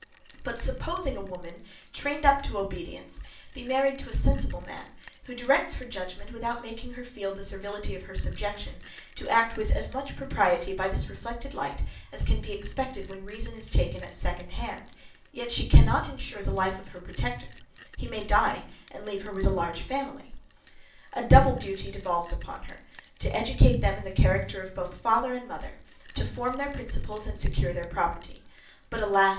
But, supposing a woman, trained up to obedience, be married to a sensible man, who directs her judgment, without making her feel the servility of her subjection, to act with as much propriety by this reflected light as can be expected when reason is taken at second hand, yet she cannot ensure the life of her protector; he may die and leave her with a large family. A double duty devolves on her; to educate them in the character of both father and mother; to form their principles and secure their property. But, alas!